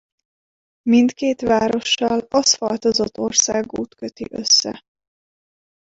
Mindkét várossal aszfaltozott országút köti össze.